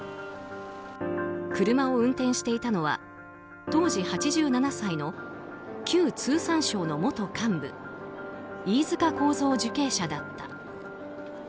車を運転していたのは当時８７歳の旧通産省の元幹部飯塚幸三受刑者だった。